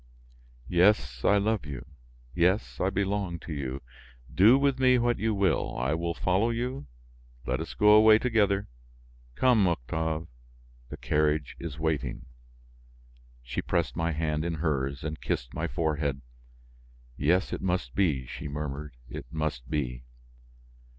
"Yes, I love you; yes, I belong to you; do with me what you will. I will follow you, let us go away together; come, Octave, the carriage is waiting." She pressed my hand in hers, and kissed my forehead. "Yes, it must be," she murmured, "it must be."